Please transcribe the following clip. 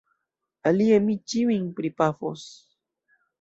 Alie mi ĉiujn pripafos!